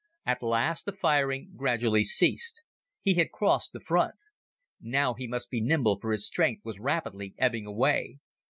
At last the firing gradually ceased. He had crossed the front. Now he must be nimble for his strength was rapidly ebbing away.